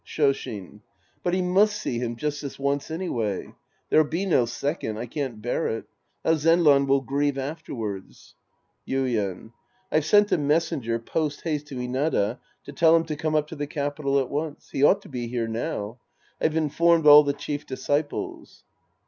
Shoshin. But he must see him just this once any way. There'll be no second, — I can't bear it. How Zenran will grieve afterwards ! Yuien. I've sent a messenger post haste to Inada to tell him to come up to the capital at once. He ought to be here now. I've informed all the chief disciples.